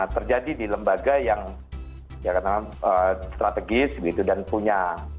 terjadi di lembaga yang strategis gitu dan punya